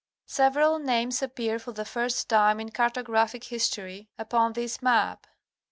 Several names appear for the first time in cartographic history, upon this map.